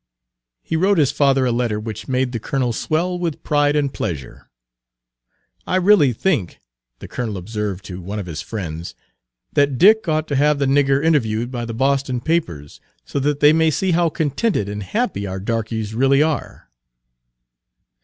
He wrote his father a letter which made the colonel swell with pride and pleasure. "I really think," the colonel observed to one of his friends, "that Dick ought to have the nigger interviewed by the Boston papers, so that they may see how contented and happy our darkeys really are."